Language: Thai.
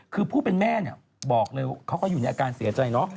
คือผู้เป็นแม่บอกเลยเขาก็อยู่ในอาการเสียใจ